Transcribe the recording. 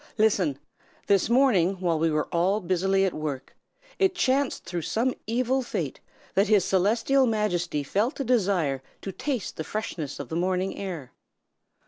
Listen! This morning, while we were all busily at work, it chanced through some evil fate that His Celestial Majesty felt a desire to taste the freshness of the morning air.